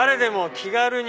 『気軽に』